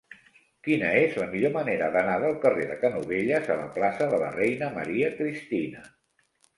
Quina és la millor manera d'anar del carrer de Canovelles a la plaça de la Reina Maria Cristina?